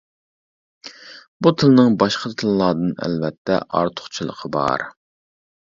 بۇ تىلنىڭ باشقا تىللاردىن ئەلۋەتتە ئارتۇقچىلىقى بار.